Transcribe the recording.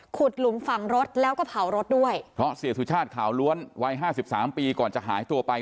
หลุมฝังรถแล้วก็เผารถด้วยเพราะเสียสุชาติขาวล้วนวัยห้าสิบสามปีก่อนจะหายตัวไป